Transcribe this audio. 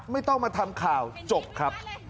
ไม่ต้องมาทำข่าวจบครับ